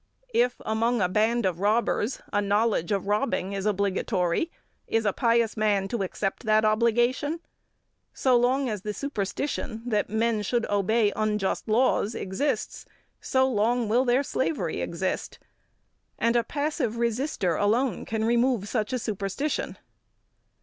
If among a band of robbers, a knowledge of robbing is obligatory, is a pious man to accept the obligation? So long as the superstition that men should obey unjust laws exists, so long will their slavery exist. And a passive resister alone can remove such a superstition.